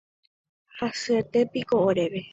Hasyetépiko oréve